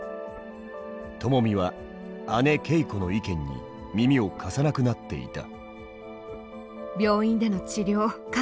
ともみは姉けいこの意見に耳を貸さなくなっていた。